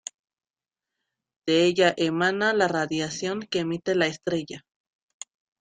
De ella emana la radiación que emite la estrella.